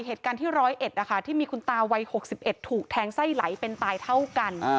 เหตุการณ์ที่๑๐๑ที่มีคุณตาวัย๖๑ถูกแทงไส้ไหลเป็นตายเท่ากัน